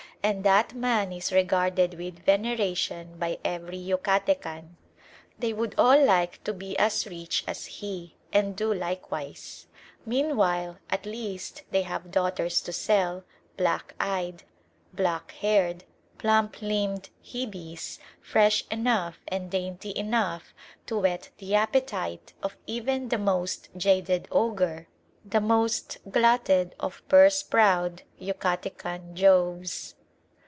And that man is regarded with veneration by every Yucatecan. They would all like to be as rich as he and do likewise. Meanwhile, at least they have daughters to sell, black eyed, black haired, plump limbed Hebes, fresh enough and dainty enough to whet the appetite of even the most jaded ogre, the most glutted of purse proud Yucatecan Joves.